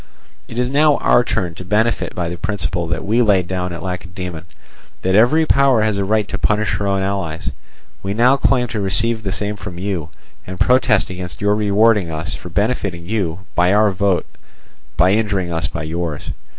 It is now our turn to benefit by the principle that we laid down at Lacedaemon, that every power has a right to punish her own allies. We now claim to receive the same from you, and protest against your rewarding us for benefiting you by our vote by injuring us by yours.